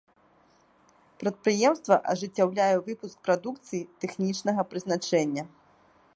Прадпрыемства ажыццяўляе выпуск прадукцыі тэхнічнага прызначэння.